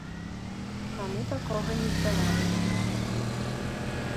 Таму такога не здаралася.